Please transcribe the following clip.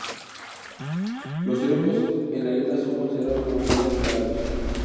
Los ciervos en la isla son considerados como animales sagrados.